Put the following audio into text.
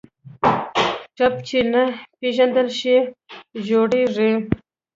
ټپ چې نه پېژندل شي، ژورېږي.